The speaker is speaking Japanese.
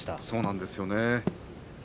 そうなんですよね。